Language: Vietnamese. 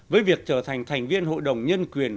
với việc trở thành thành viên hội đồng nhân quyền